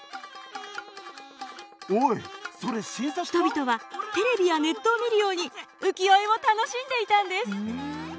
人々はテレビやネットを見るように浮世絵を楽しんでいたんです。